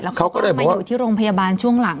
แล้วเขาก็บอกว่ามาอยู่ที่โรงพยาบาลช่วงหลัง